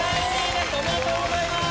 おめでとうございます！